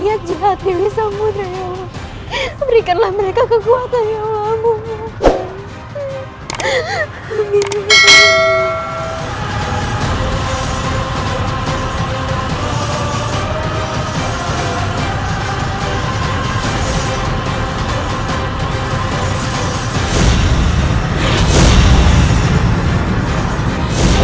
ya allah terima kasih